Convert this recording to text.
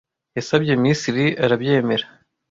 Yasabye Miss Lee arabyemera.